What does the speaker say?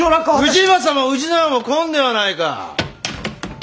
氏政も氏直も来んではないか！